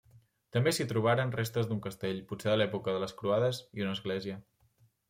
També s'hi trobaren restes d'un castell, potser de l'època de les Croades, i una església.